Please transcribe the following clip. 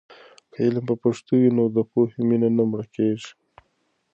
که علم په پښتو وي، نو د پوهې مینه نه مړه کېږي.